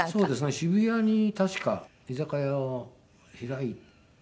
渋谷に確か居酒屋を開いて。